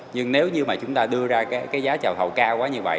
nhưng nếu như chúng ta đưa ra giá trào thầu cao quá như vậy